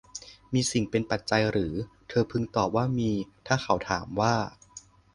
มีสิ่งเป็นปัจจัยหรือ เธอพึงตอบว่ามีถ้าเขาถามว่า